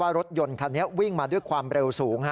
รถยนต์คันนี้วิ่งมาด้วยความเร็วสูง